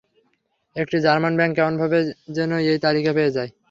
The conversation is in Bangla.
একটি জার্মান ব্যাংক কেমনভাবে যেন এই তালিকা পেয়ে যায়।